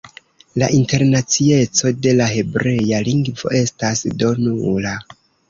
La internacieco de la hebrea lingvo estas do nula.